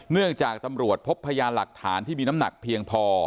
เนื่องจากตำรวจพบพยานหลักฐานที่มีน้ำหนักเพียงพอ